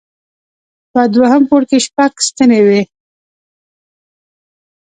په دوهم پوړ کې شپږ ستنې وې.